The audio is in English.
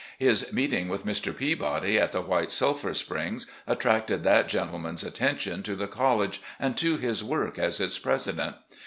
His meeting with Mr. Peabody at the White Sulphur Springs attracted that gentleman's attention to the college and to his work as its president.